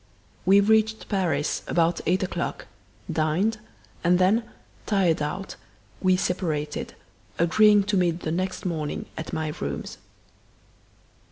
We reached Paris about eight o'clock, dined, and then, tired out, we separated, agreeing to meet the next morning at my rooms.